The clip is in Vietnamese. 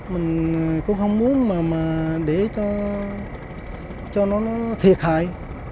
mình cũng không muốn mà để cho nó thiệt hại